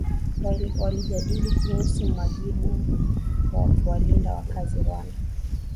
walijadili kuhusu wajibu wa kuwalinda wakazi rwanda